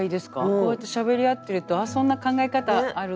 こうやってしゃべり合ってると「そんな考え方あるか」